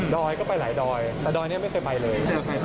ดอยก็ไปหลายแต่ไม่เคยไปเลย